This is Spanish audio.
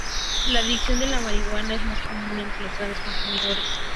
La adicción de marihuana es más común entre los grandes consumidores.